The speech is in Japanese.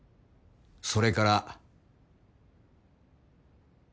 「それから」